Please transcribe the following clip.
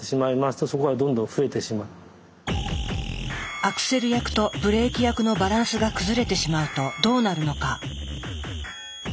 アクセル役とブレーキ役のバランスが崩れてしまうとどうなるのか？